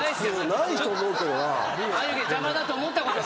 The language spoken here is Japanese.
ないと思うけどな。